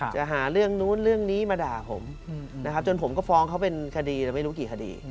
จะหาเรื่องนู้นนี้มาด่าผมนะจนผมจะฟ้องเขาเป็นคดีไม่รู้กี่คดี